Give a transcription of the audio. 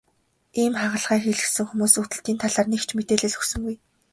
Ийм хагалгаа хийлгэсэн хүмүүс өвдөлтийн талаар нэг ч мэдээлэл өгсөнгүй.